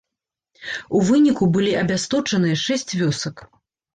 У выніку былі абясточаныя шэсць вёсак.